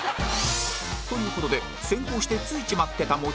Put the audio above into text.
という事で先行してついちまってた餅が